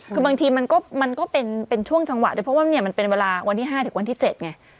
คือบางทีมันก็เป็นช่วงจังหวะด้วยเพราะว่ามันเป็นเวลาวันที่๕ถึงวันที่๗ไง